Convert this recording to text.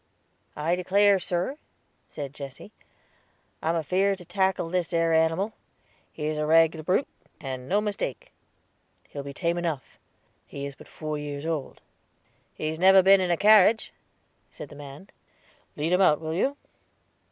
"I declare, sir," said Jesse, "I am afeared to tackle this ere animal; he's a reglar brute, and no mistake." "He'll be tame enough; he is but four years old." "He's never been in a carriage," said the man. "Lead him out, will you?"